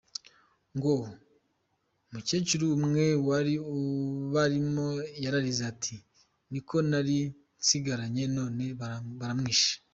Ngo umukecuru umwe wari ubarimo yararize ati: “Niko nari nsigaranye none baramwishe”.